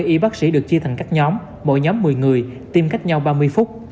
năm mươi y bác sĩ được chia thành các nhóm mỗi nhóm một mươi người tiêm cách nhau ba mươi phút